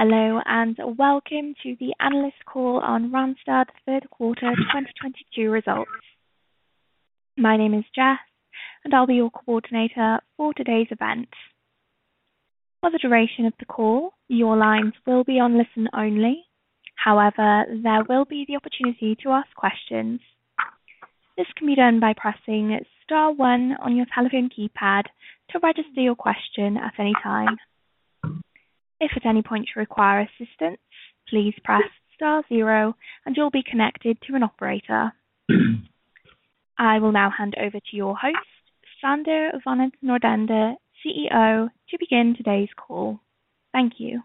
Hello, and welcome to the analyst call on Randstad's third quarter 2022 results. My name is Jess, and I'll be your coordinator for today's event. For the duration of the call, your lines will be on listen-only. However, there will be the opportunity to ask questions. This can be done by pressing star one on your telephone keypad to register your question at any time. If at any point you require assistance, please press star zero and you'll be connected to an operator. I will now hand over to your host, Sander van 't Noordende, CEO, to begin today's call. Thank you.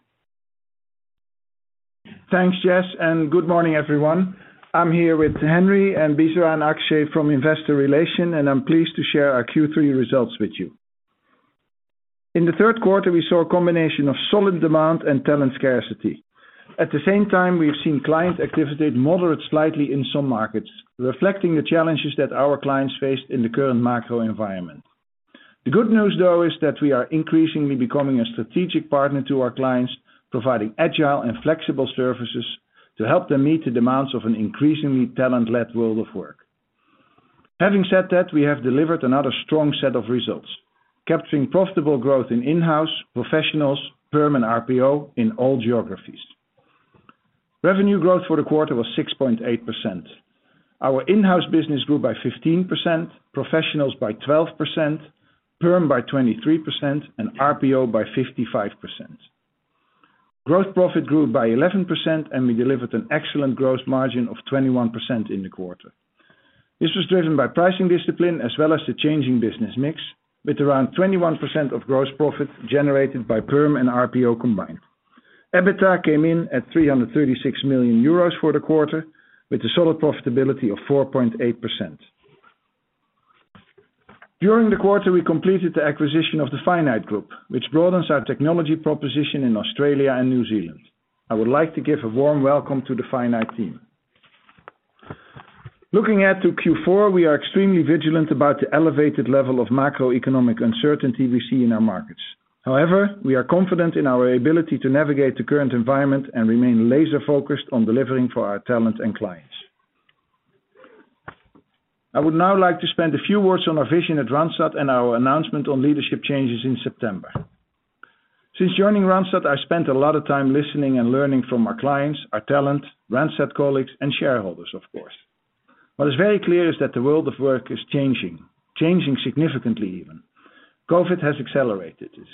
Thanks, Jess, and good morning, everyone. I'm here with Henry Bisera Grubesic and from Investor Relations, and I'm pleased to share our Q3 results with you. In the third quarter, we saw a combination of solid demand and talent scarcity. At the same time, we've seen client activity moderate slightly in some markets, reflecting the challenges that our clients faced in the current macro environment. The good news, though, is that we are increasingly becoming a strategic partner to our clients, providing agile and flexible services to help them meet the demands of an increasingly talent-led world of work. Having said that, we have delivered another strong set of results, capturing profitable growth in in-house, professionals, perm and RPO in all geographies. Revenue growth for the quarter was 6.8%. Our in-house business grew by 15%, professionals by 12%, perm by 23%, and RPO by 55%. Gross profit grew by 11% and we delivered an excellent gross margin of 21% in the quarter. This was driven by pricing discipline as well as the changing business mix with around 21% of gross profit generated by perm and RPO combined. EBITDA came in at 336 million euros for the quarter with a solid profitability of 4.8%. During the quarter, we completed the acquisition of the Finite Group, which broadens our technology proposition in Australia and New Zealand. I would like to give a warm welcome to the Finite team. Looking ahead to Q4, we are extremely vigilant about the elevated level of macroeconomic uncertainty we see in our markets. However, we are confident in our ability to navigate the current environment and remain laser-focused on delivering for our talent and clients. I would now like to spend a few words on our vision at Randstad and our announcement on leadership changes in September. Since joining Randstad, I spent a lot of time listening and learning from our clients, our talent, Randstad colleagues and shareholders of course. What is very clear is that the world of work is changing significantly even. COVID has accelerated this.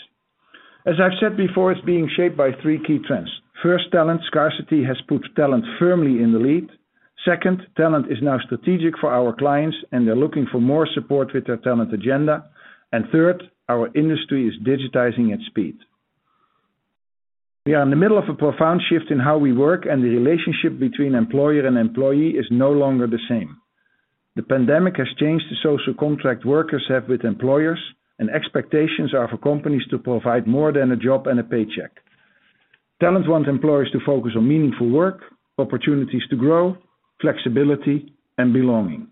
As I've said before, it's being shaped by three key trends. First, talent scarcity has put talent firmly in the lead. Second, talent is now strategic for our clients, and they're looking for more support with their talent agenda. Third, our industry is digitizing at speed. We are in the middle of a profound shift in how we work and the relationship between employer and employee is no longer the same. The pandemic has changed the social contract workers have with employers and expectations are for companies to provide more than a job and a paycheck. Talent wants employers to focus on meaningful work, opportunities to grow, flexibility and belonging.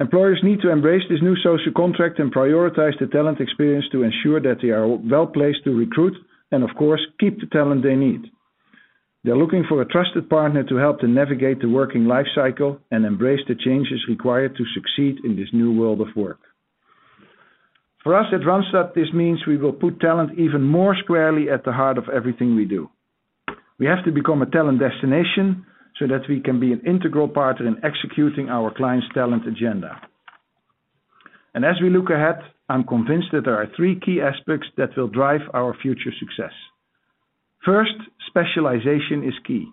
Employers need to embrace this new social contract and prioritize the talent experience to ensure that they are well-placed to recruit and of course, keep the talent they need. They're looking for a trusted partner to help them navigate the working life cycle and embrace the changes required to succeed in this new world of work. For us at Randstad, this means we will put talent even more squarely at the heart of everything we do. We have to become a talent destination so that we can be an integral partner in executing our client's talent agenda. As we look ahead, I'm convinced that there are three key aspects that will drive our future success. First, specialization is key.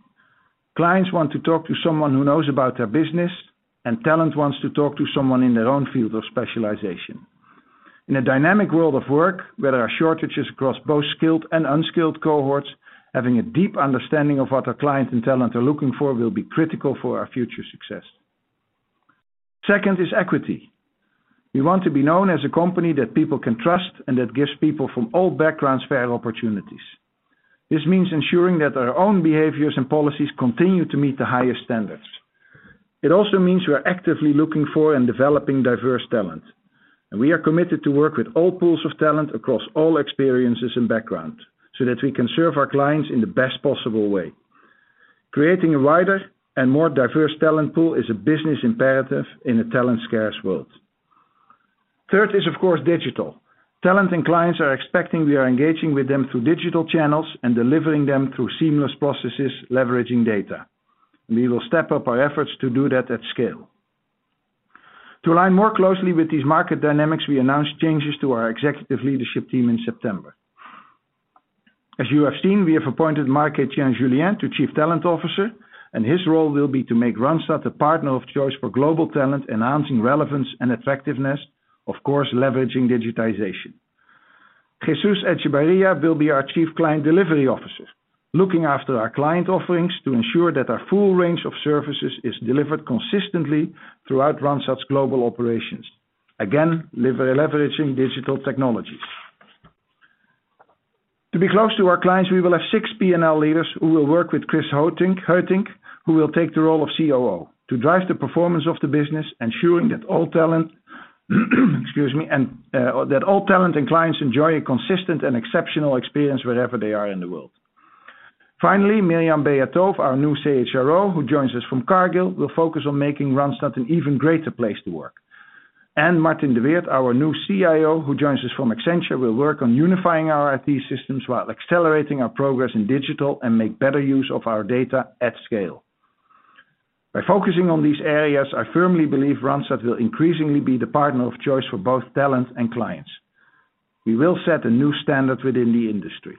Clients want to talk to someone who knows about their business, and talent wants to talk to someone in their own field of specialization. In a dynamic world of work, where there are shortages across both skilled and unskilled cohorts, having a deep understanding of what our clients and talent are looking for will be critical for our future success. Second is equity. We want to be known as a company that people can trust and that gives people from all backgrounds fair opportunities. This means ensuring that our own behaviors and policies continue to meet the highest standards. It also means we are actively looking for and developing diverse talent. We are committed to work with all pools of talent across all experiences and backgrounds so that we can serve our clients in the best possible way. Creating a wider and more diverse talent pool is a business imperative in a talent scarce world. Third is, of course, digital. Talent and clients are expecting we are engaging with them through digital channels and delivering them through seamless processes, leveraging data. We will step up our efforts to do that at scale. To align more closely with these market dynamics, we announced changes to our executive leadership team in September. As you have seen, we have appointed Marc-Étienne Julien to Chief Talent Officer, and his role will be to make Randstad the partner of choice for global talent, enhancing relevance and effectiveness, of course, leveraging digitization. Jesus Echevarria will be our Chief Client Delivery Officer, looking after our client offerings to ensure that our full range of services is delivered consistently throughout Randstad's global operations. Again, leveraging digital technologies. To be close to our clients, we will have six P&L leaders who will work with Chris Heutink, who will take the role of COO to drive the performance of the business, ensuring that all talent and clients enjoy a consistent and exceptional experience wherever they are in the world. Finally, Myriam Beatove, our new CHRO, who joins us from Cargill, will focus on making Randstad an even greater place to work. Martin de Weerdt, our new CIO, who joins us from Accenture, will work on unifying our IT systems while accelerating our progress in digital and make better use of our data at scale. By focusing on these areas, I firmly believe Randstad will increasingly be the partner of choice for both talent and clients. We will set a new standard within the industry.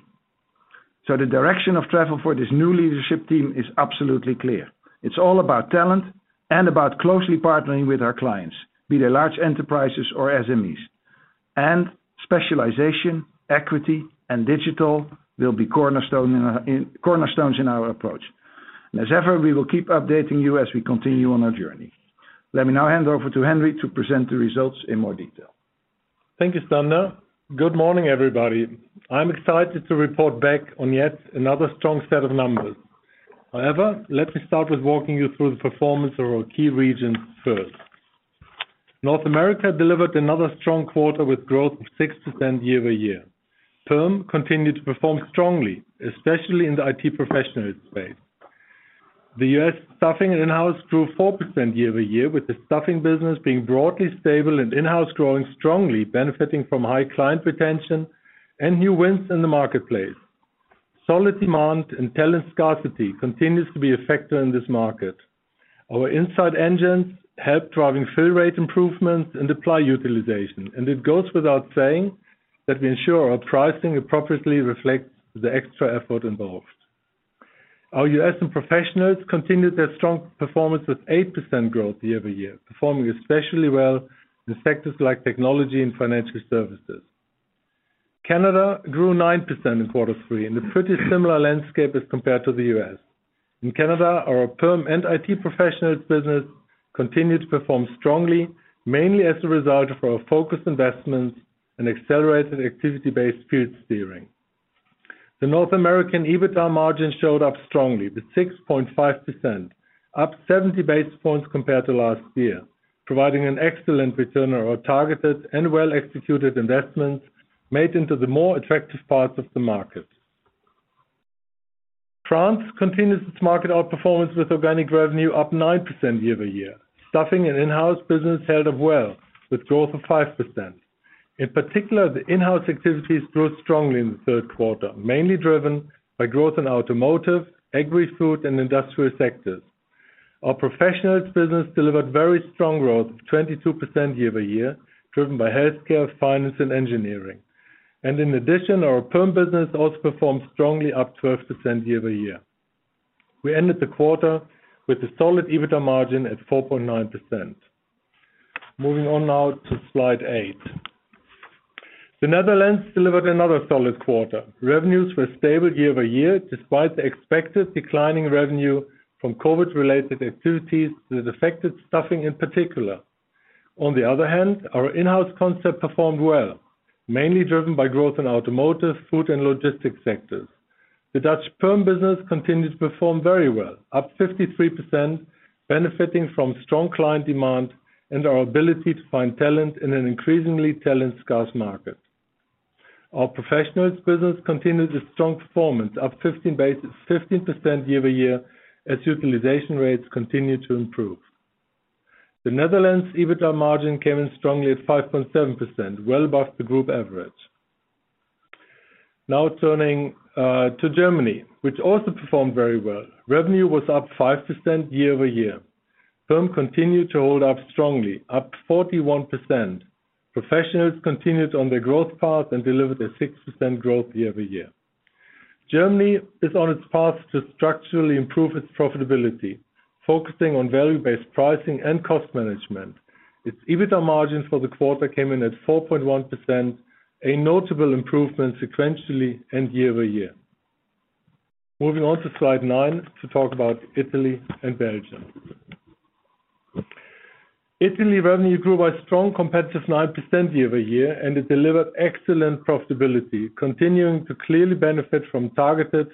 The direction of travel for this new leadership team is absolutely clear. It's all about talent and about closely partnering with our clients, be they large enterprises or SMEs. Specialization, equity, and digital will be cornerstones in our approach. As ever, we will keep updating you as we continue on our journey. Let me now hand over to Henry to present the results in more detail. Thank you, Sander. Good morning, everybody. I'm excited to report back on yet another strong set of numbers. However, let me start with walking you through the performance of our key regions first. North America delivered another strong quarter with growth of 6% year-over-year. Perm continued to perform strongly, especially in the IT professionals space. The U.S. staffing and in-house grew 4% year-over-year, with the staffing business being broadly stable and in-house growing strongly, benefiting from high client retention and new wins in the marketplace. Solid demand and talent scarcity continues to be a factor in this market. Our inside engines help driving fill rate improvements and apply utilization. It goes without saying that we ensure our pricing appropriately reflects the extra effort involved. Our U.S. professionals continued their strong performance with 8% growth year-over-year, performing especially well in sectors like technology and financial services. Canada grew 9% in quarter three, in a pretty similar landscape as compared to the US. In Canada, our perm and IT professionals business continued to perform strongly, mainly as a result of our focused investments and accelerated activity-based field steering. The North American EBITDA margin showed up strongly, with 6.5%, up 70 basis points compared to last year, providing an excellent return on our targeted and well-executed investments made into the more attractive parts of the market. France continues its market outperformance with organic revenue up 9% year-over-year. Staffing and in-house business held up well, with growth of 5%. In particular, the in-house activities grew strongly in the third quarter, mainly driven by growth in automotive, agri-food, and industrial sectors. Our professionals business delivered very strong growth of 22% year-over-year, driven by healthcare, finance, and engineering. In addition, our perm business also performed strongly, up 12% year-over-year. We ended the quarter with a solid EBITDA margin at 4.9%. Moving on now to slide 8. The Netherlands delivered another solid quarter. Revenues were stable year-over-year, despite the expected declining revenue from COVID-related activities that affected staffing in particular. On the other hand, our in-house concept performed well, mainly driven by growth in automotive, food, and logistics sectors. The Dutch perm business continued to perform very well, up 53%, benefiting from strong client demand and our ability to find talent in an increasingly talent-scarce market. Our professionals business continued its strong performance, up 15% year-over-year, as utilization rates continued to improve. The Netherlands EBITDA margin came in strongly at 5.7%, well above the group average. Now turning to Germany, which also performed very well. Revenue was up 5% year-over-year. Perm continued to hold up strongly, up 41%. Professionals continued on their growth path and delivered a 6% growth year-over-year. Germany is on its path to structurally improve its profitability, focusing on value-based pricing and cost management. Its EBITDA margin for the quarter came in at 4.1%, a notable improvement sequentially and year-over-year. Moving on to slide 9 to talk about Italy and Belgium. Italy revenue grew by a strong competitive 9% year-over-year, and it delivered excellent profitability, continuing to clearly benefit from targeted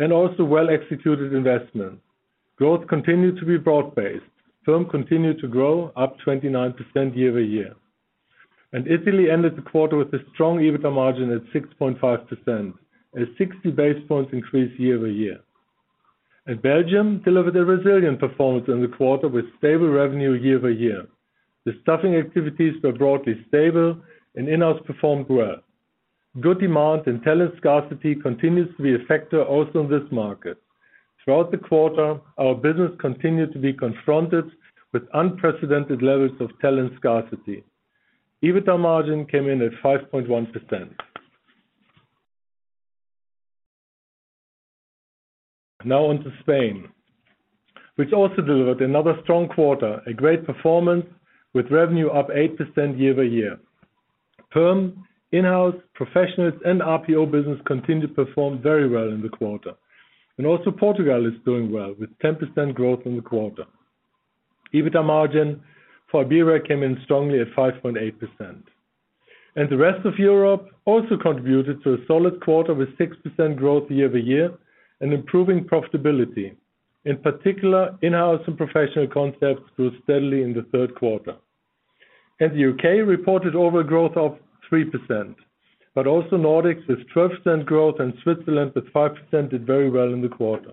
and also well-executed investments. Growth continued to be broad-based. Perm continued to grow up 29% year-over-year. Italy ended the quarter with a strong EBITDA margin at 6.5%, a 60 basis points increase year-over-year. Belgium delivered a resilient performance in the quarter with stable revenue year-over-year. The staffing activities were broadly stable, and in-house performed well. Good demand and talent scarcity continues to be a factor also in this market. Throughout the quarter, our business continued to be confronted with unprecedented levels of talent scarcity. EBITDA margin came in at 5.1%. Now on to Spain, which also delivered another strong quarter, a great performance with revenue up 8% year-over-year. Perm, in-house, professionals, and RPO business continued to perform very well in the quarter. Portugal is doing well with 10% growth in the quarter. EBITDA margin for Iberia came in strongly at 5.8%. The rest of Europe also contributed to a solid quarter with 6% growth year-over-year and improving profitability. In particular, in-house and professional concepts grew steadily in the third quarter. The UK reported overall growth of 3%, but also Nordics with 12% growth and Switzerland with 5% did very well in the quarter.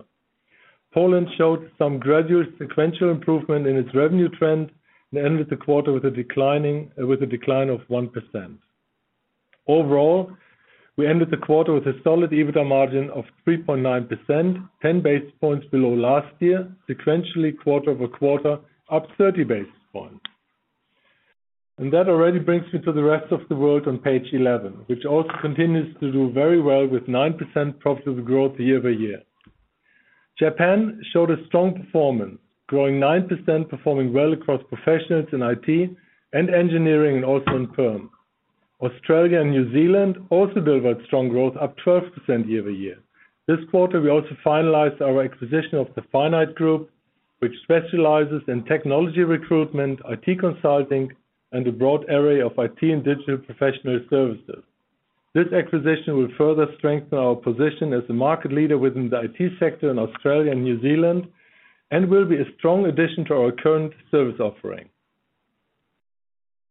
Poland showed some gradual sequential improvement in its revenue trend and ended the quarter with a decline of 1%. Overall, we ended the quarter with a solid EBITDA margin of 3.9%, 10 basis points below last year, sequentially quarter-over-quarter up 30 basis points. That already brings me to the rest of the world on page eleven, which also continues to do very well with 9% profitable growth year-over-year. Japan showed a strong performance, growing 9%, performing well across professionals in IT and engineering and also in perm. Australia and New Zealand also delivered strong growth, up 12% year-over-year. This quarter, we also finalized our acquisition of the Finite Group, which specializes in technology recruitment, IT consulting, and a broad array of IT and digital professional services. This acquisition will further strengthen our position as the market leader within the IT sector in Australia and New Zealand and will be a strong addition to our current service offering.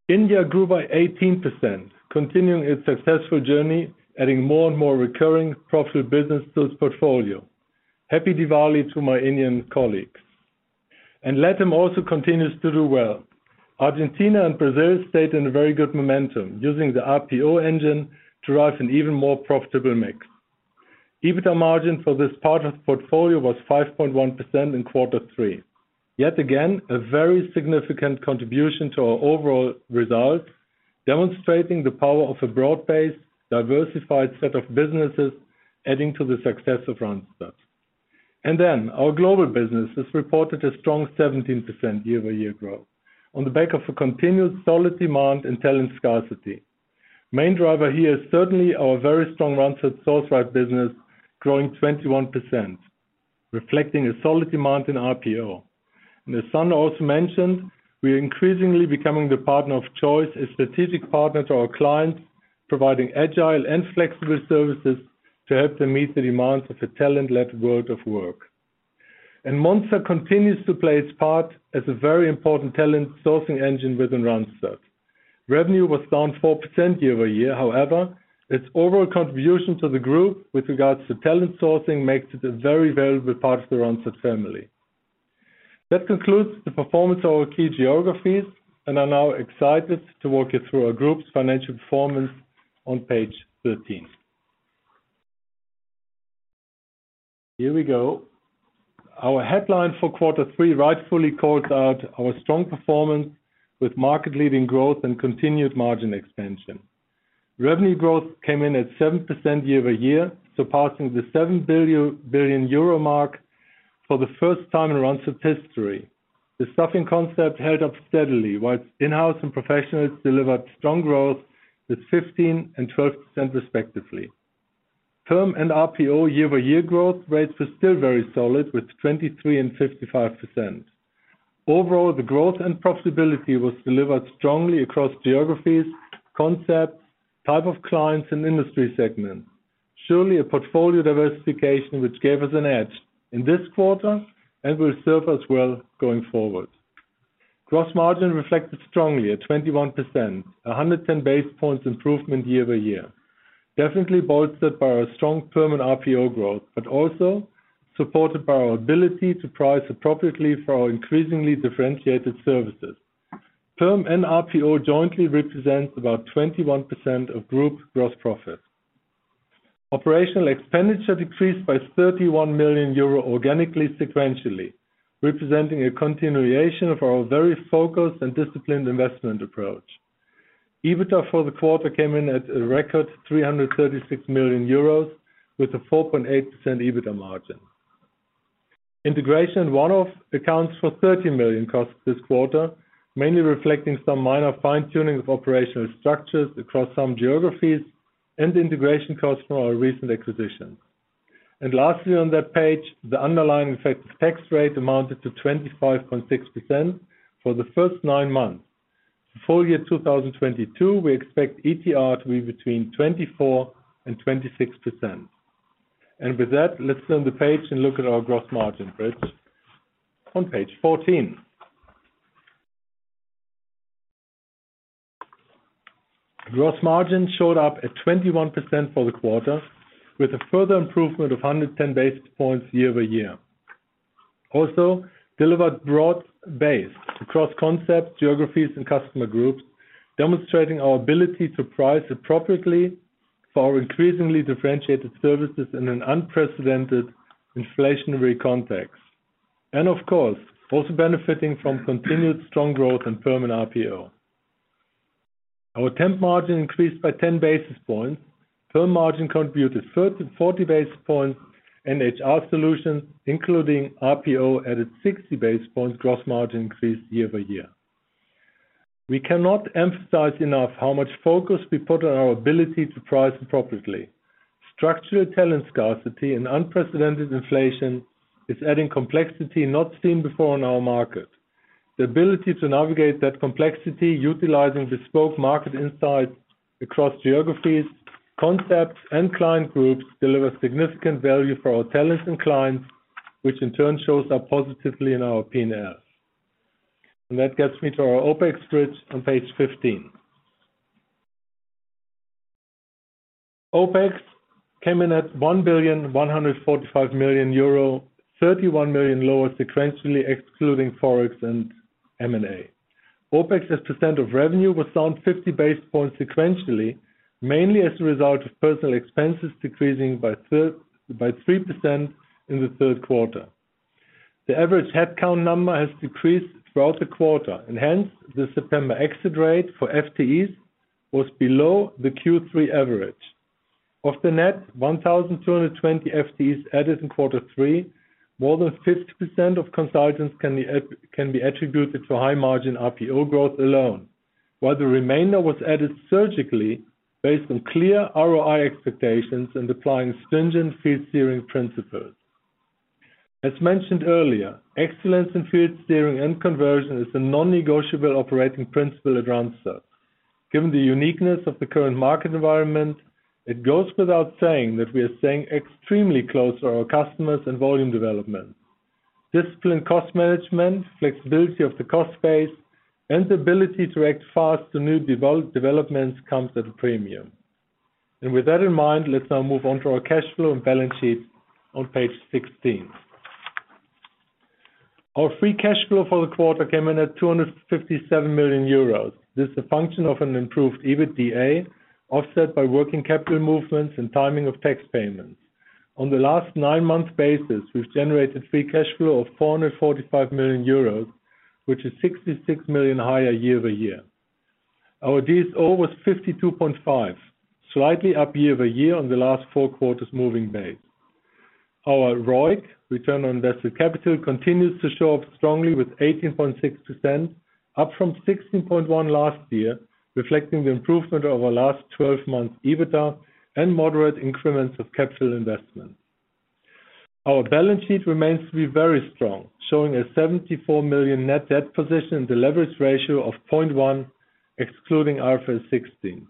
India grew by 18%, continuing its successful journey, adding more and more recurring profitable business to its portfolio. Happy Diwali to my Indian colleagues. LATAM also continues to do well. Argentina and Brazil stayed in a very good momentum, using the RPO engine to drive an even more profitable mix. EBITDA margin for this part of the portfolio was 5.1% in quarter three. Yet again, a very significant contribution to our overall results, demonstrating the power of a broad-based, diversified set of businesses adding to the success of Randstad. Our global business has reported a strong 17% year-over-year growth on the back of a continued solid demand and talent scarcity. Main driver here is certainly our very strong Randstad Sourceright business growing 21%, reflecting a solid demand in RPO. As San also mentioned, we are increasingly becoming the partner of choice, a strategic partner to our clients, providing agile and flexible services to help them meet the demands of a talent-led world of work. Monster continues to play its part as a very important talent sourcing engine within Randstad. Revenue was down 4% year-over-year. However, its overall contribution to the group with regards to talent sourcing makes it a very valuable part of the Randstad family. That concludes the performance of our key geographies, and I'm now excited to walk you through our group's financial performance on page 13. Here we go. Our headline for quarter three rightfully calls out our strong performance with market-leading growth and continued margin expansion. Revenue growth came in at 7% year-over-year, surpassing the 7 billion euro mark for the first time in Randstad history. The staffing concept held up steadily, while in-house and professionals delivered strong growth with 15% and 12% respectively. Perm and RPO year-over-year growth rates were still very solid with 23% and 55%. Overall, the growth and profitability was delivered strongly across geographies, concepts, type of clients and industry segments. Surely a portfolio diversification which gave us an edge in this quarter and will serve us well going forward. Gross margin reflected strongly at 21%, 110 basis points improvement year-over-year. Definitely bolstered by our strong perm and RPO growth, but also supported by our ability to price appropriately for our increasingly differentiated services. Perm and RPO jointly represents about 21% of group gross profit. Operational expenditure decreased by 31 million euro organically sequentially, representing a continuation of our very focused and disciplined investment approach. EBITDA for the quarter came in at a record 336 million euros with a 4.8% EBITDA margin. Integration one-off accounts for 30 million costs this quarter, mainly reflecting some minor fine-tuning of operational structures across some geographies and integration costs from our recent acquisitions. Lastly on that page, the underlying effective tax rate amounted to 25.6% for the first nine months. For full year 2022, we expect ETR to be between 24% and 26%. With that, let's turn the page and look at our gross margin bridge on page 14. Gross margin showed up at 21% for the quarter with a further improvement of 110 basis points year-over-year. Also delivered broad base across concepts, geographies, and customer groups, demonstrating our ability to price appropriately for our increasingly differentiated services in an unprecedented inflationary context. Of course, also benefiting from continued strong growth in perm and RPO. Our temp margin increased by 10 basis points. Perm margin contributed forty basis points and HR solutions, including RPO, added 60 basis points gross margin increase year-over-year. We cannot emphasize enough how much focus we put on our ability to price appropriately. Structural talent scarcity and unprecedented inflation is adding complexity not seen before in our market. The ability to navigate that complexity utilizing bespoke market insights across geographies, concepts and client groups deliver significant value for our talents and clients, which in turn shows up positively in our P&L. That gets me to our OpEx bridge on page 15. OpEx came in at 1,145 million euro, 31 million lower sequentially, excluding Forex and M&A. OpEx as percent of revenue was down 50 basis points sequentially, mainly as a result of personal expenses decreasing by 3% in the third quarter. The average headcount number has decreased throughout the quarter, and hence the September exit rate for FTEs was below the Q3 average. Of the net 1,220 FTEs added in quarter three, more than 50% of consultants can be attributed to high margin RPO growth alone, while the remainder was added surgically based on clear ROI expectations and applying stringent field steering principles. As mentioned earlier, excellence in field steering and conversion is a non-negotiable operating principle at Randstad. Given the uniqueness of the current market environment, it goes without saying that we are staying extremely close to our customers and volume development. Discipline cost management, flexibility of the cost base, and the ability to act fast to new developments comes at a premium. With that in mind, let's now move on to our cash flow and balance sheet on page 16. Our free cash flow for the quarter came in at 257 million euros. This is a function of an improved EBITDA, offset by working capital movements and timing of tax payments. On the last nine-month basis, we've generated free cash flow of 445 million euros, which is 66 million higher year-over-year. Our DSO was 52.5, slightly up year-over-year on the last four quarters moving base. Our ROIC, return on invested capital, continues to show up strongly with 18.6%, up from 16.1% last year, reflecting the improvement over the last twelve months EBITDA and moderate increments of capital investment. Our balance sheet remains to be very strong, showing a 74 million net debt position and a leverage ratio of 0.1, excluding IFRS 16.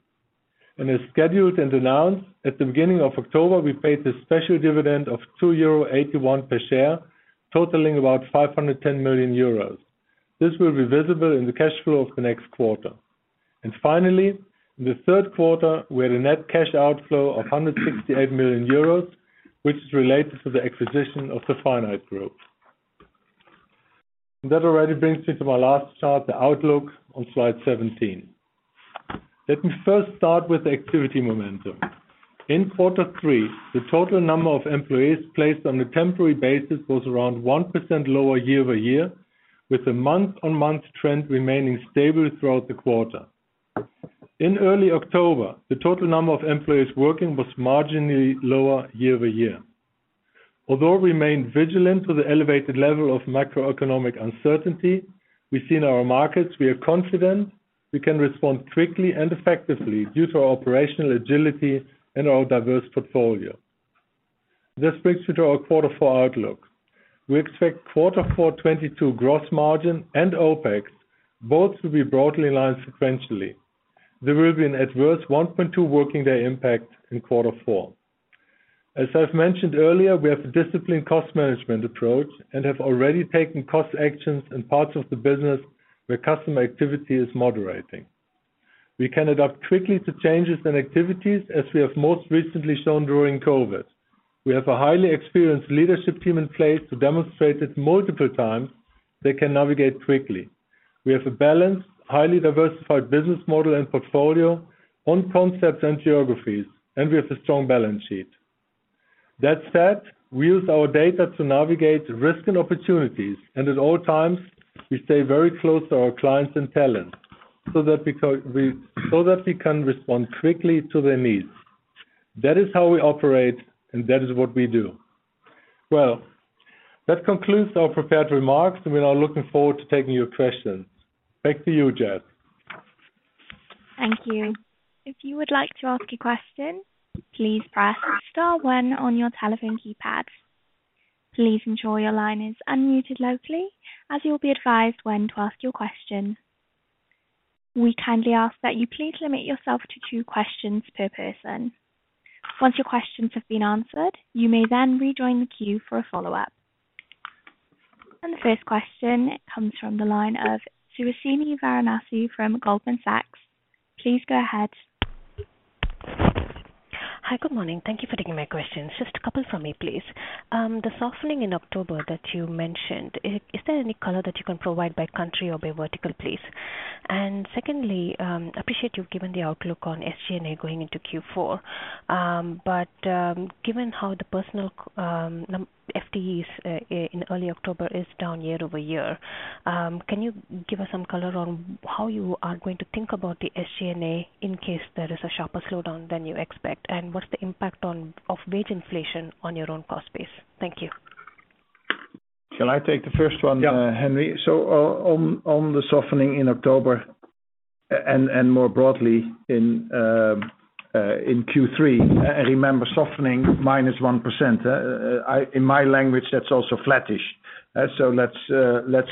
As scheduled and announced, at the beginning of October, we paid a special dividend of 2.81 euro per share, totaling about 510 million euros. This will be visible in the cash flow of the next quarter. Finally, in the third quarter, we had a net cash outflow of 168 million euros, which is related to the acquisition of the Finite Group. That already brings me to my last chart, the outlook on slide 17. Let me first start with the activity momentum. In quarter three, the total number of employees placed on a temporary basis was around 1% lower year-over-year, with the month-on-month trend remaining stable throughout the quarter. In early October, the total number of employees working was marginally lower year-over-year. Although we remain vigilant to the elevated level of macroeconomic uncertainty we see in our markets, we are confident we can respond quickly and effectively due to our operational agility and our diverse portfolio. This brings me to our quarter four outlook. We expect quarter four 2022 gross margin and OpEx both to be broadly in line sequentially. There will be an adverse 1.2 working day impact in quarter four. As I've mentioned earlier, we have a disciplined cost management approach and have already taken cost actions in parts of the business where customer activity is moderating. We can adapt quickly to changes in activities, as we have most recently shown during COVID. We have a highly experienced leadership team in place to demonstrate it multiple times they can navigate quickly. We have a balanced, highly diversified business model and portfolio on concepts and geographies, and we have a strong balance sheet. That said, we use our data to navigate risk and opportunities, and at all times we stay very close to our clients and talent so that we can respond quickly to their needs. That is how we operate, and that is what we do. Well, that concludes our prepared remarks. We are now looking forward to taking your questions. Back to you, Jess. Thank you. If you would like to ask a question, please press star one on your telephone keypad. Please ensure your line is unmuted locally as you will be advised when to ask your question. We kindly ask that you please limit yourself to two questions per person. Once your questions have been answered, you may then rejoin the queue for a follow-up. The first question comes from the line of Suhasini Varanasi from Goldman Sachs. Please go ahead. Hi. Good morning. Thank you for taking my questions. Just a couple for me, please. The softening in October that you mentioned, is there any color that you can provide by country or by vertical, please? Secondly, appreciate you've given the outlook on SG&A going into Q4. Given how the number of FTEs in early October is down year-over-year, can you give us some color on how you are going to think about the SG&A in case there is a sharper slowdown than you expect? What's the impact of wage inflation on your own cost base? Thank you. Shall I take the first one, Henry? Yeah. On the softening in October and more broadly in Q3, remember softening -1%. In my language, that's also flattish. Let's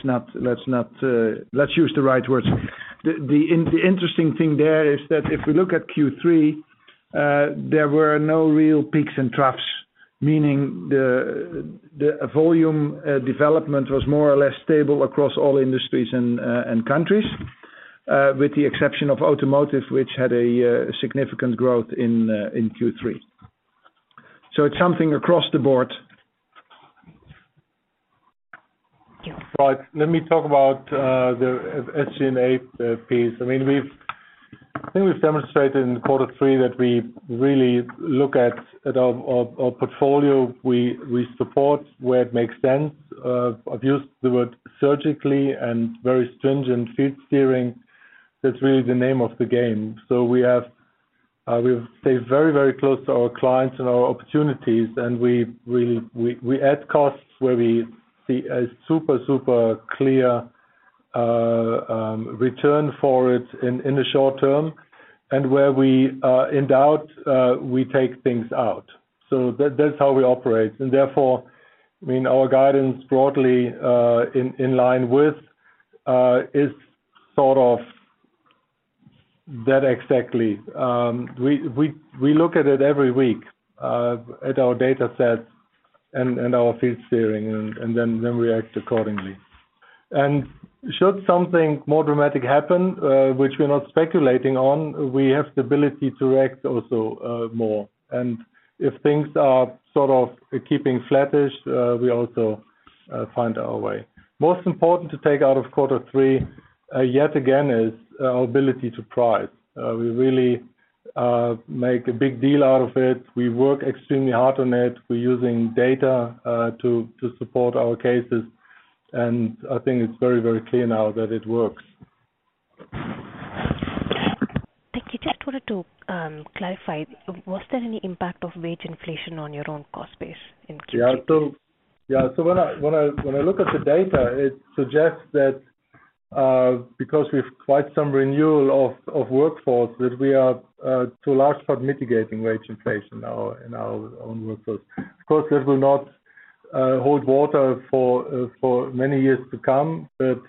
not. Let's use the right words. The interesting thing there is that if we look at Q3, there were no real peaks and troughs, meaning the volume development was more or less stable across all industries and countries, with the exception of automotive, which had a significant growth in Q3. It's something across the board. Right. Let me talk about the SG&A piece. I mean, I think we've demonstrated in quarter three that we really look at our portfolio we support where it makes sense. I've used the word surgically and very stringent fee steering. That's really the name of the game. We stay very close to our clients and our opportunities and we add costs where we see a super clear return for it in the short term. Where we are in doubt, we take things out. That's how we operate. Therefore, I mean, our guidance broadly in line with is sort of that exactly. We look at it every week at our data sets and our field steering and then we act accordingly. Should something more dramatic happen, which we're not speculating on, we have the ability to act also more. If things are sort of keeping flattish, we also find our way. Most important to take out of quarter three yet again is our ability to price. We really make a big deal out of it. We work extremely hard on it. We're using data to support our cases, and I think it's very clear now that it works. Thank you. Just wanted to clarify. Was there any impact of wage inflation on your own cost base in Q3? Yeah. When I look at the data, it suggests that because we've quite some renewal of workforce, that we are to a large part mitigating wage inflation in our own workforce. Of course, this will not hold water for many years to come, but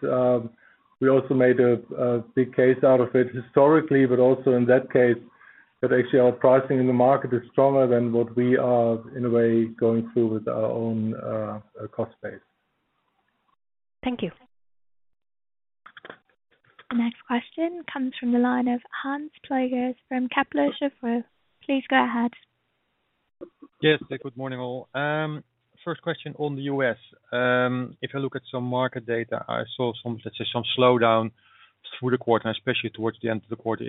we also made a big case out of it historically, but also in that case that actually our pricing in the market is stronger than what we are in a way going through with our own cost base. Thank you. The next question comes from the line of Hans Pluijgers from Kepler Cheuvreux. Please go ahead. Yes. Good morning, all. First question on the U.S. If you look at some market data, I saw some, let's say, some slowdown through the quarter and especially towards the end of the quarter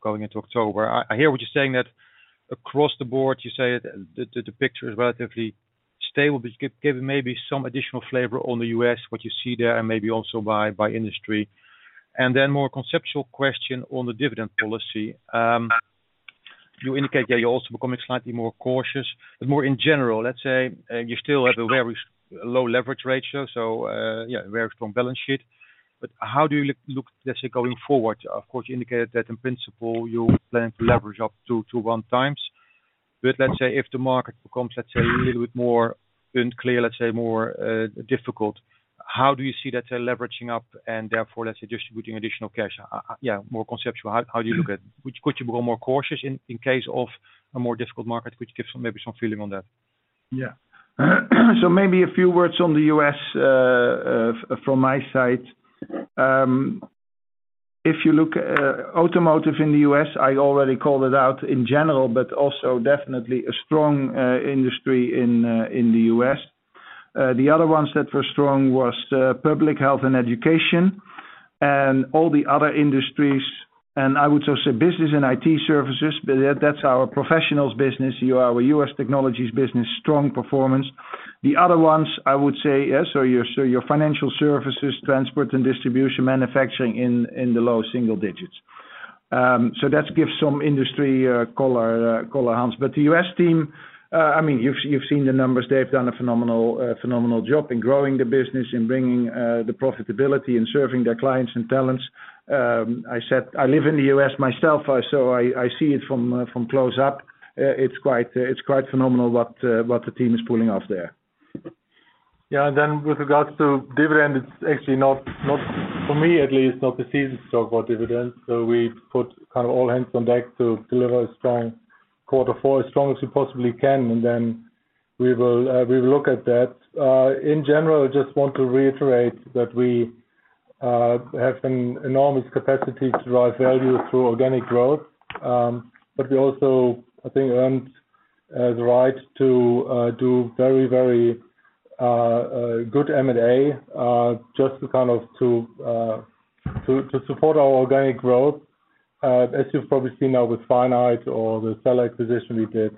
going into October. I hear what you're saying that across the board, you say the picture is relatively stable. But give maybe some additional flavor on the US, what you see there and maybe also by industry. Then more conceptual question on the dividend policy. You indicate that you're also becoming slightly more cautious, but more in general, let's say, you still have a very low leverage ratio, so, yeah, very strong balance sheet. But how do you look, let's say, going forward? Of course, you indicated that in principle, you plan to leverage up to one times. Let's say if the market becomes, let's say, a little bit more unclear, let's say more difficult, how do you see that leveraging up and therefore, let's say, distributing additional cash? Yeah, more conceptual. How do you look at? Could you be more cautious in case of a more difficult market, which gives maybe some feeling on that? Yeah. Maybe a few words on the U.S., from my side. If you look, automotive in the U.S., I already called it out in general, but also definitely a strong industry in the U.S. The other ones that were strong was public health and education and all the other industries. I would also say business and IT services, but that's our professionals business. You know, our U.S. technologies business, strong performance. The other ones, I would say, your financial services, transport and distribution, manufacturing in the low single digits. That gives some industry color, Hans. The U.S. team, I mean, you've seen the numbers. They've done a phenomenal job in growing the business, in bringing the profitability, in serving their clients and talents. I said I live in the U.S. myself, so I see it from close up. It's quite phenomenal what the team is pulling off there. Yeah. With regards to dividend, it's actually not for me at least, not the season to talk about dividends. We put kind of all hands on deck to deliver a strong quarter four, as strong as we possibly can, and then we will look at that. In general, I just want to reiterate that we have an enormous capacity to drive value through organic growth. We also, I think, earned the right to do very good M&A, just to kind of support our organic growth. As you've probably seen now with Finite or the Cell acquisition we did.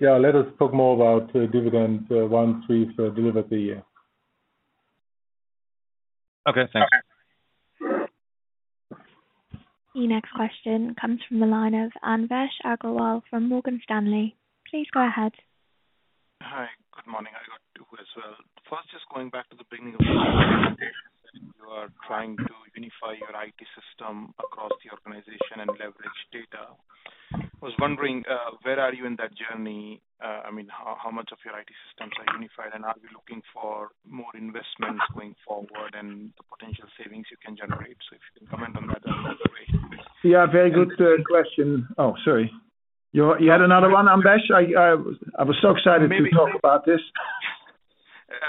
Yeah, let us talk more about dividend once we've delivered the year. Okay. Thanks. The next question comes from the line of Anvesh Agrawal from Morgan Stanley. Please go ahead. Hi. Good morning. I got two as well. First, just going back to the beginning of the presentation you are trying to unify your IT system across the organization and leverage data. I was wondering, where are you in that journey? I mean, how much of your IT systems are unified, and are you looking for more investments going forward and the potential savings you can generate? If you can comment on that observation, please. Yeah, very good question. Oh, sorry. You had another one, Anvesh? I was so excited to talk about this.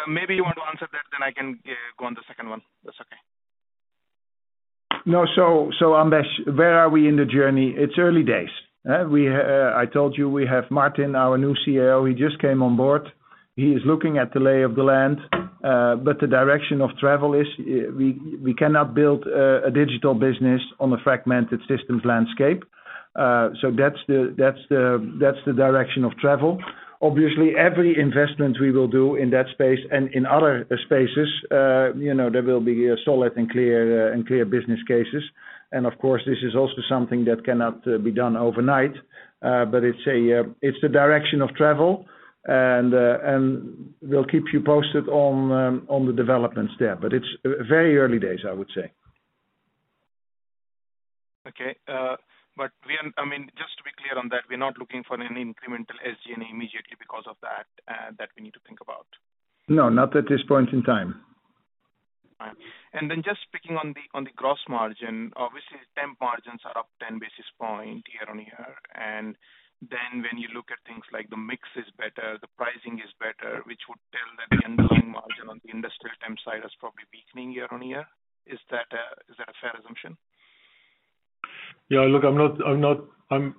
Maybe you want to answer that, then I can go on the second one. That's okay. No. Anvesh, where are we in the journey? It's early days. I told you we have Martin, our new CEO. He just came on board. He is looking at the lay of the land, but the direction of travel is we cannot build a digital business on a fragmented systems landscape. That's the direction of travel. Obviously, every investment we will do in that space and in other spaces, you know, there will be a solid and clear business cases. Of course, this is also something that cannot be done overnight, but it's the direction of travel. We'll keep you posted on the developments there. It's very early days, I would say. I mean, just to be clear on that, we're not looking for any incremental SG&A immediately because of that we need to think about? No, not at this point in time. All right. Just picking on the gross margin. Obviously, temp margins are up 10 basis points year-on-year. When you look at things like the mix is better, the pricing is better, which would tell that the underlying margin on the industrial temp side is probably weakening year-on-year. Is that a fair assumption? Yeah. Look, I'm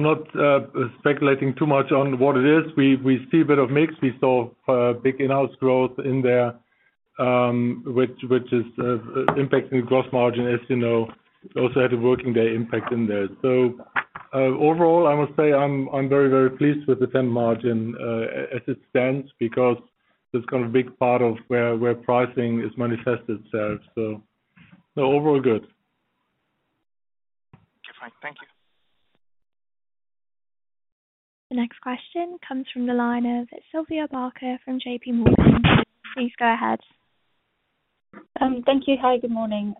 not speculating too much on what it is. We see a bit of mix. We saw big in-house growth in there, which is impacting gross margin, as you know. Also had a working day impact in there. Overall, I must say I'm very pleased with the temp margin, as it stands because that's kind of a big part of where pricing is manifested itself. Overall good. Okay, fine. Thank you. The next question comes from the line of Sylvia Barker from JPMorgan. Please go ahead. Thank you. Hi, good morning.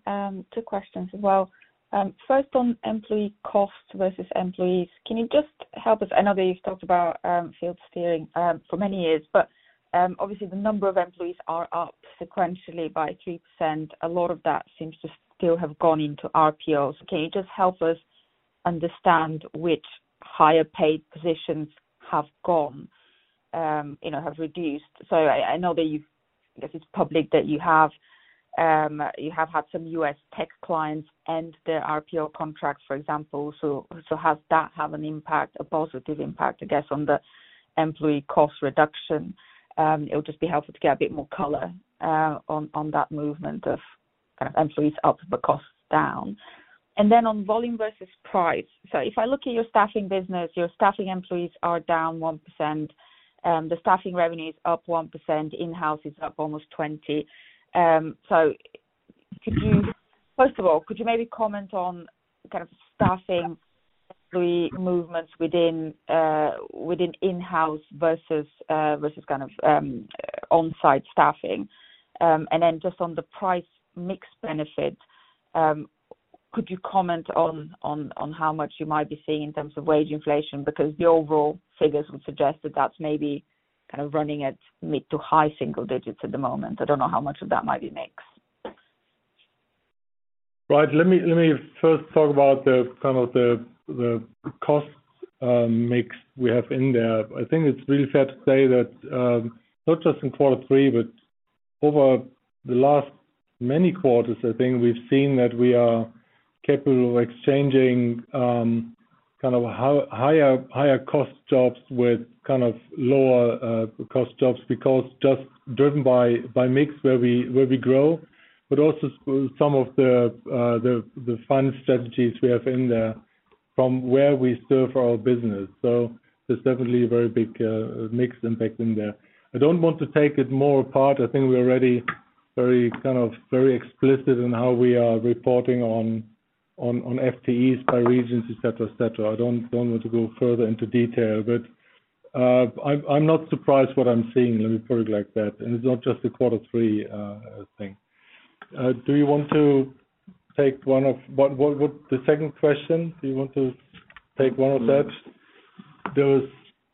Two questions as well. First on employee cost versus employees. Can you just help us? I know that you've talked about field steering for many years, but obviously the number of employees are up sequentially by 3%. A lot of that seems to still have gone into RPOs. Can you just help us understand which higher paid positions have gone, you know, have reduced? So I know that this is public, that you have had some U.S. tech clients and their RPO contracts, for example. So has that have an impact, a positive impact, I guess, on the employee cost reduction? It would just be helpful to get a bit more color on that movement of kind of employees up, but costs down. On volume versus price. If I look at your staffing business, your staffing employees are down 1%, the staffing revenue is up 1%, in-house is up almost 20%. First of all, could you maybe comment on kind of staffing employee movements within in-house versus kind of on-site staffing? And then just on the price mix benefit, could you comment on how much you might be seeing in terms of wage inflation? Because the overall figures would suggest that that's maybe kind of running at mid to high single digits at the moment. I don't know how much of that might be mix. Right. Let me first talk about kind of the cost mix we have in there. I think it's really fair to say that not just in quarter three, but over the last many quarters, I think we've seen that we are capable of exchanging kind of higher cost jobs with kind of lower cost jobs because just driven by mix where we grow, but also some of the finance strategies we have in there from where we serve our business. There's definitely a very big mix impact in there. I don't want to take it more apart. I think we're already very kind of very explicit in how we are reporting on FTEs by regions, et cetera. I don't want to go further into detail, but I'm not surprised what I'm seeing. Let me put it like that. It's not just a quarter three thing. Do you want to take the second question? Do you want to take one of that? There was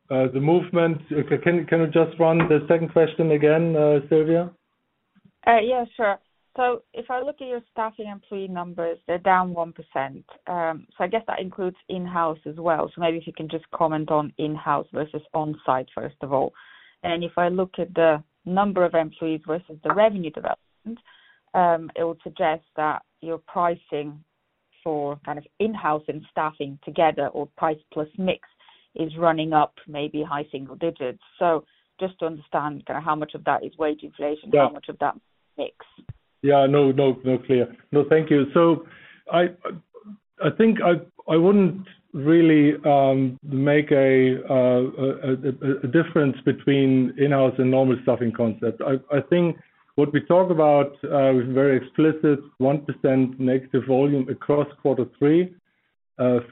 the movement. Can you just run the second question again, Sylvia? Yeah, sure. If I look at your staffing employee numbers, they're down 1%. I guess that includes in-house as well. Maybe if you can just comment on in-house versus on-site, first of all. If I look at the number of employees versus the revenue development, it would suggest that your pricing for kind of in-house and staffing together or price plus mix is running up maybe high single digits. Just to understand kind of how much of that is wage inflation. Yeah. How much of that mix. Yeah. No clear. No, thank you. I think I wouldn't really make a difference between in-house and normal staffing concept. I think what we talk about with very explicit 1% negative volume across quarter three.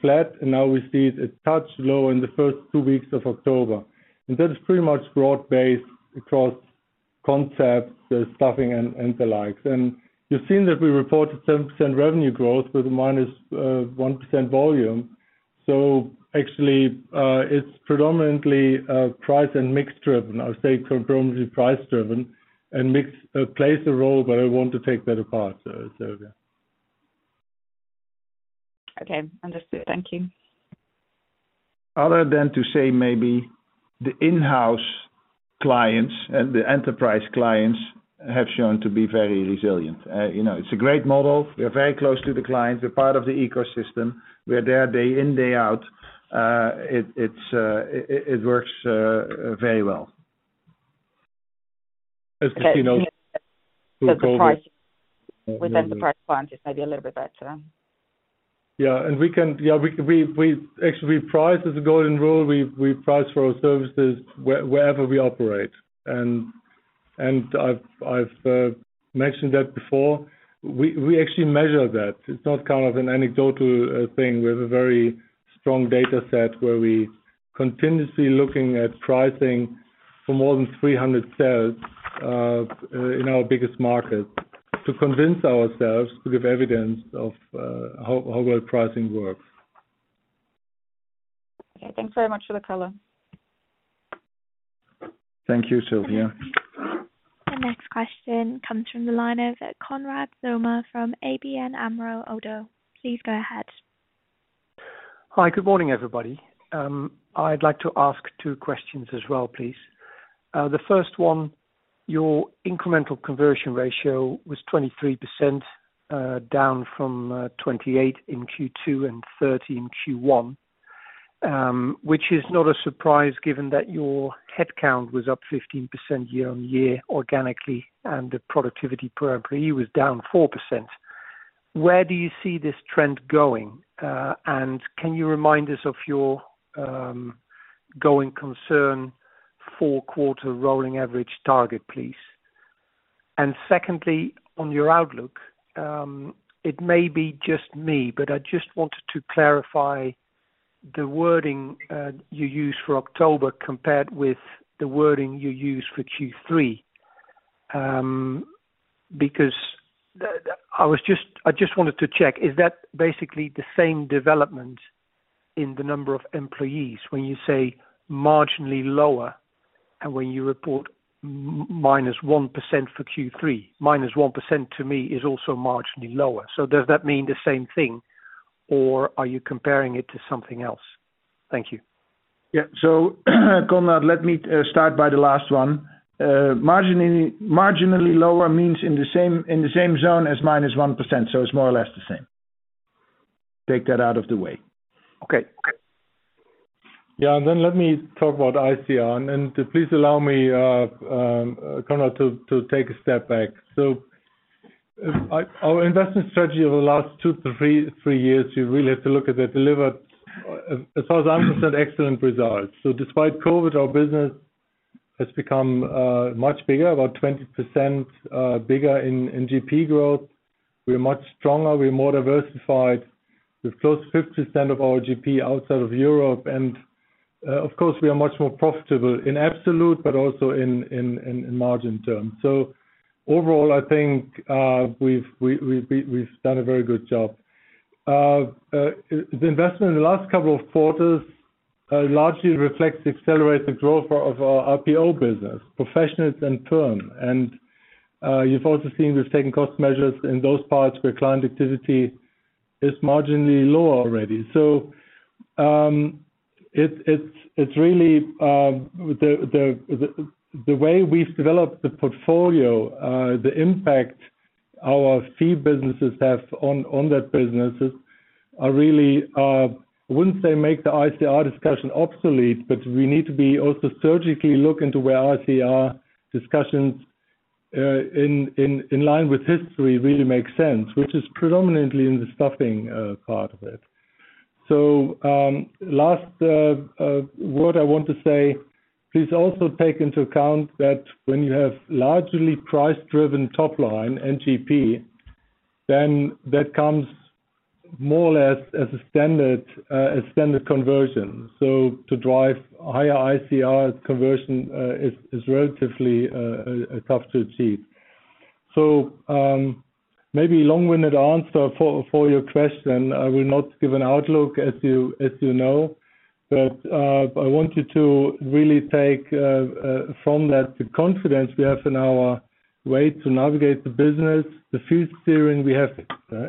Flat and now we see it a touch low in the first two weeks of October. That is pretty much broad-based across concepts, staffing and the likes. You've seen that we reported 7% revenue growth with a minus 1% volume. Actually, it's predominantly price and mix driven. I would say predominantly price driven and mix plays a role, but I want to take that apart. Sylvia. Okay. Understood. Thank you. Other than to say maybe the in-house clients and the enterprise clients have shown to be very resilient. You know, it's a great model. We are very close to the client. We're part of the ecosystem. We are there day in, day out. It works very well. Okay. As we saw through COVID. The price within the price point is maybe a little bit better. Actually, we price as a golden rule. We price for our services wherever we operate. I've mentioned that before. We actually measure that. It's not kind of an anecdotal thing. We have a very strong data set where we continuously looking at pricing for more than 300 sales in our biggest market to convince ourselves to give evidence of how well pricing works. Okay. Thanks very much for the color. Thank you, Sylvia. The next question comes from the line of Konrad Zomer from ABN AMRO ODDO. Please go ahead. Hi. Good morning, everybody. I'd like to ask two questions as well, please. The first one, your incremental conversion ratio was 23%, down from 28% in Q2 and 30% in Q1, which is not a surprise given that your headcount was up 15% year-on-year organically, and the productivity per employee was down 4%. Where do you see this trend going? And can you remind us of your going-concern four-quarter rolling average target, please? Secondly, on your outlook, it may be just me, but I just wanted to clarify the wording you used for October compared with the wording you used for Q3. I just wanted to check, is that basically the same development in the number of employees when you say marginally lower and when you report minus 1% for Q3? 1% to me is also marginally lower. So does that mean the same thing or are you comparing it to something else? Thank you. Konrad, let me start by the last one. Marginally lower means in the same zone as -1%, so it's more or less the same. Take that out of the way. Okay. Yeah. Let me talk about ICR. Please allow me, Konrad, to take a step back. Our investment strategy over the last two to three years, you really have to look at it, delivered 1,000% excellent results. Despite COVID, our business has become much bigger, about 20% bigger in GP growth. We're much stronger, we're more diversified. We're close to 50% of our GP outside of Europe. Of course, we are much more profitable in absolute but also in margin terms. Overall, I think we've done a very good job. The investment in the last couple of quarters largely reflects the accelerated growth of our RPO business, professionals and firm. You've also seen we've taken cost measures in those parts where client activity is marginally lower already. It's really the way we've developed the portfolio, the impact our fee businesses have on that businesses are really. I wouldn't say make the ICR discussion obsolete, but we need to be also surgically look into where ICR discussions in line with history really makes sense, which is predominantly in the staffing part of it. Last word I want to say, please also take into account that when you have largely price-driven top line NGP, then that comes more or less as a standard conversion. To drive higher ICR conversion is relatively tough to achieve. Maybe long-winded answer for your question. I will not give an outlook as you know. I want you to really take from that the confidence we have in our way to navigate the business, the levers we have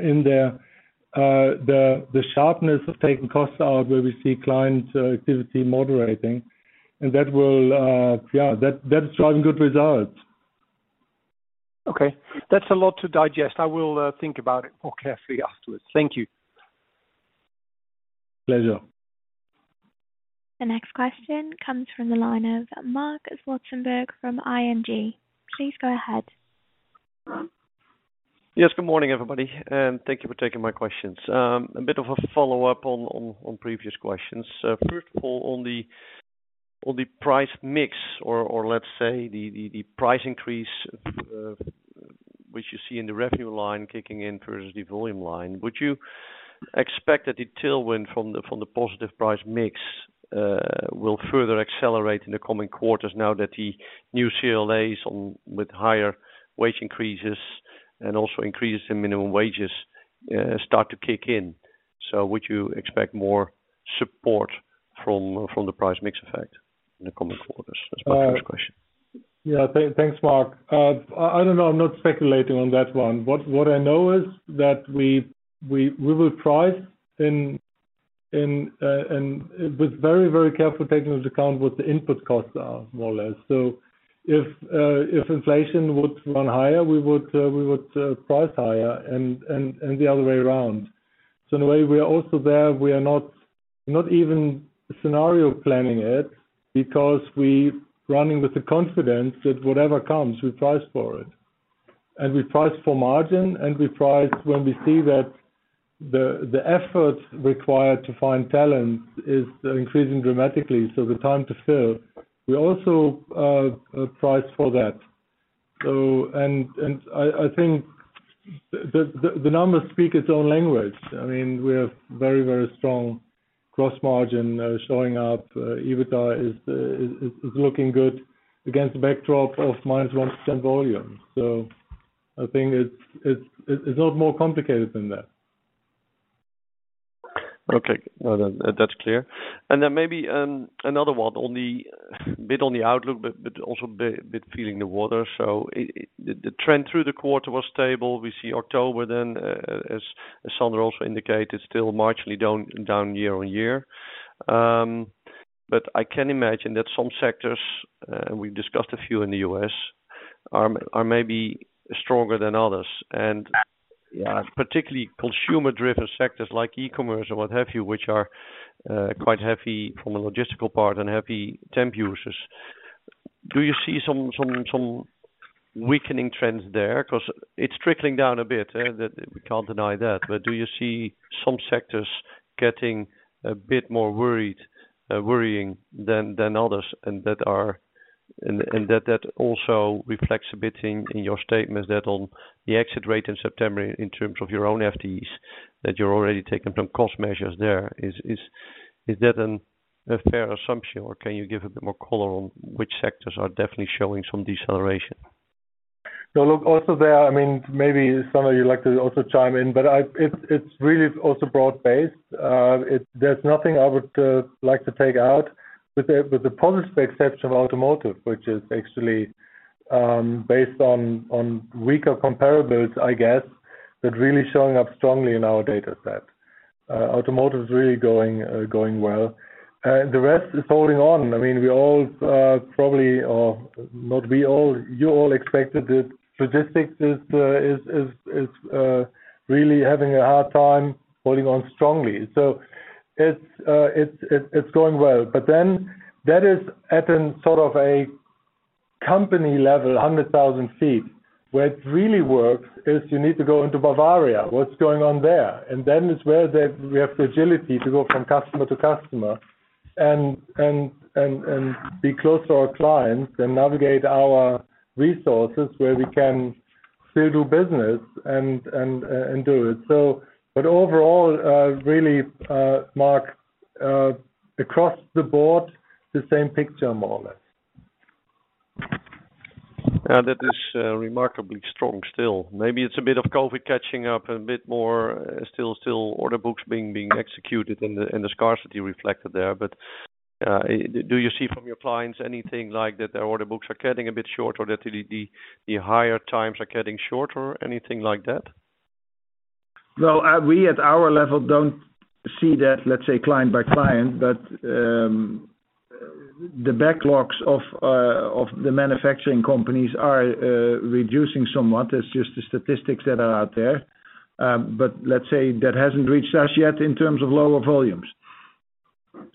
in there, the sharpness of taking costs out where we see client activity moderating, and that's driving good results. Okay. That's a lot to digest. I will think about it more carefully afterwards. Thank you. Pleasure. The next question comes from the line of Marc Zwartsenburg from ING. Please go ahead. Yes, good morning, everybody, and thank you for taking my questions. A bit of a follow-up on previous questions. First of all, on the price mix or let's say the price increase, which you see in the revenue line kicking in versus the volume line. Would you expect that the tailwind from the positive price mix will further accelerate in the coming quarters now that the new CLAs on with higher wage increases and also increases in minimum wages start to kick in? Would you expect more support from the price mix effect in the coming quarters? That's my first question. Yeah. Thanks, Marc. I don't know. I'm not speculating on that one. What I know is that we will price in and with very careful taking into account what the input costs are, more or less. If inflation would run higher, we would price higher and the other way around. In a way, we are also there. We are not even scenario planning it because we're running with the confidence that whatever comes, we price for it. We price for margin, and we price when we see that the efforts required to find talent is increasing dramatically, so the time to fill. We also price for that. I think the numbers speak for themselves. I mean, we have very, very strong gross margin showing up. EBITDA is looking good against the backdrop of -1% volume. I think it's not more complicated than that. Okay. No, that's clear. Then maybe another one, a bit on the outlook, but also a bit feeling the water. The trend through the quarter was stable. We see October, as Sander also indicated, still marginally down year-on-year. I can imagine that some sectors, and we've discussed a few in the U.S., are maybe stronger than others. Yeah. Particularly consumer-driven sectors like e-commerce or what have you, which are quite heavy from a logistical part and heavy temp users. Do you see some weakening trends there? 'Cause it's trickling down a bit that we can't deny that. But do you see some sectors getting a bit more worrying than others, and that also reflects a bit in your statement that on the exit rate in September in terms of your own FTEs, that you're already taking some cost measures there. Is that a fair assumption, or can you give a bit more color on which sectors are definitely showing some deceleration? Look, also there, I mean, maybe, Sander, you'd like to also chime in, but it's really also broad-based. There's nothing I would like to take out. With the positive exception of automotive, which is actually based on weaker comparables, I guess, that really showing up strongly in our data set. Automotive is really going well. The rest is holding on. I mean, you all expected it. Logistics is really having a hard time holding on strongly. It's going well. But then that is at a sort of a company level, hundred thousand feet. Where it really works is you need to go into Bavaria, what's going on there. Then it's where that we have agility to go from customer to customer and be close to our clients and navigate our resources where we can still do business and do it. Overall, really, Marc, across the board, the same picture, more or less. Yeah. That is remarkably strong still. Maybe it's a bit of COVID catching up a bit more, still order books being executed and the scarcity reflected there. Do you see from your clients anything like that their order books are getting a bit short or that the hire times are getting shorter? Anything like that? Well, we at our level don't see that, let's say client by client, but the backlogs of the manufacturing companies are reducing somewhat. It's just the statistics that are out there. Let's say that hasn't reached us yet in terms of lower volumes.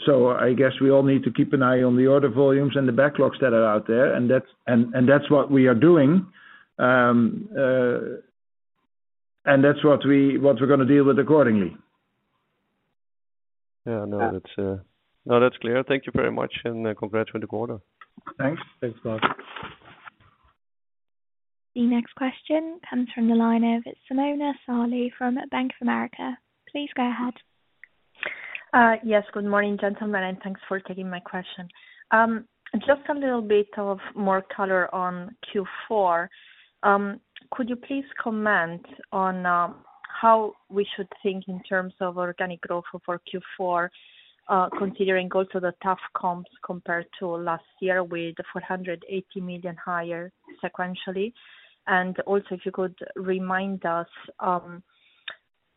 I guess we all need to keep an eye on the order volumes and the backlogs that are out there, and that's what we are doing. That's what we're gonna deal with accordingly. No, that's clear. Thank you very much, and congrats for the quarter. Thanks. Thanks, Marc. The next question comes from the line of Simona Sarli from Bank of America. Please go ahead. Yes. Good morning, gentlemen, and thanks for taking my question. Just a little bit more color on Q4. Could you please comment on how we should think in terms of organic growth for Q4, considering also the tough comps compared to last year with 480 million higher sequentially? Also, if you could remind us,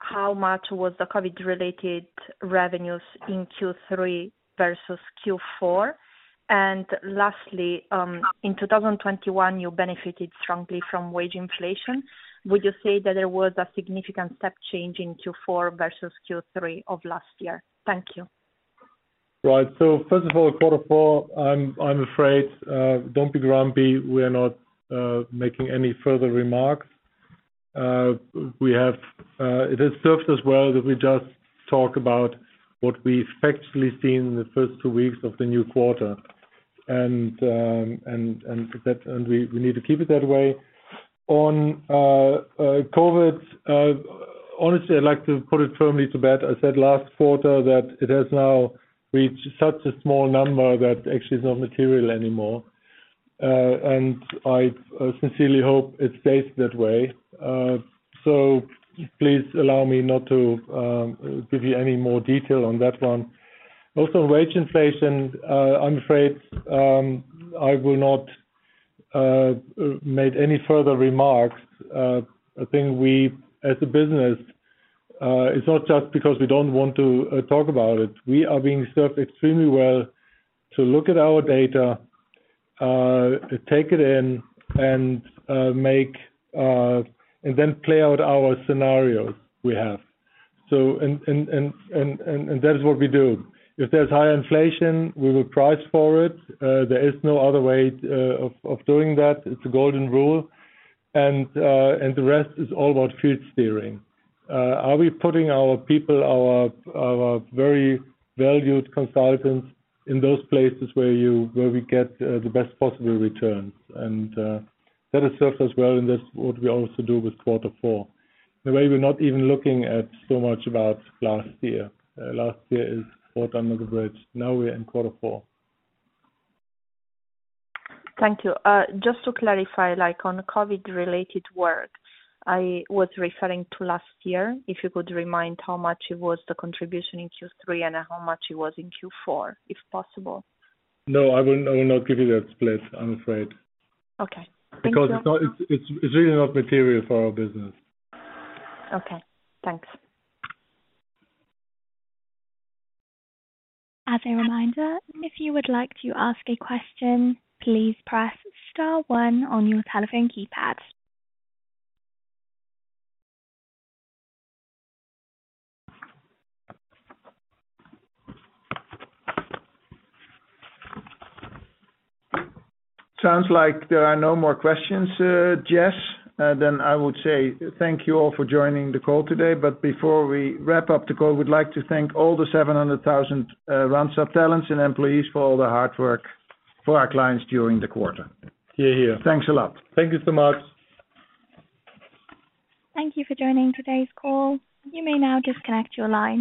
how much was the COVID-related revenues in Q3 versus Q4? Lastly, in 2021, you benefited strongly from wage inflation. Would you say that there was a significant step change in Q4 versus Q3 of last year? Thank you. Right. So first of all, quarter four, I'm afraid, don't be grumpy, we are not making any further remarks. It has served us well that we just talk about what we've factually seen in the first two weeks of the new quarter. We need to keep it that way. On COVID, honestly, I'd like to put it firmly to bed. I said last quarter that it has now reached such a small number that actually is not material anymore. I sincerely hope it stays that way. Please allow me not to give you any more detail on that one. Also, wage inflation, I'm afraid, I will not make any further remarks. I think we as a business, it's not just because we don't want to talk about it. We are being served extremely well to look at our data, to take it in, and make and then play out our scenarios we have. That is what we do. If there's high inflation, we will price for it. There is no other way of doing that. It's a golden rule. The rest is all about field steering. Are we putting our people, our very valued consultants in those places where we get the best possible returns? That has served us well, and that's what we also do with quarter four. The way we're not even looking at so much about last year. Last year is water under the bridge. Now we're in quarter four. Thank you. Just to clarify, like on COVID-related work, I was referring to last year. If you could remind how much it was the contribution in Q3 and how much it was in Q4, if possible. No, I will not give you that split, I'm afraid. Okay. Thank you. Because it's really not material for our business. Okay, thanks. As a reminder, if you would like to ask a question, please press star one on your telephone keypad. Sounds like there are no more questions, Jess. I would say thank you all for joining the call today. Before we wrap up the call, we'd like to thank all the 700,000 Randstad talents and employees for all the hard work for our clients during the quarter. Hear, hear. Thanks a lot. Thank you so much. Thank you for joining today's call. You may now disconnect your line.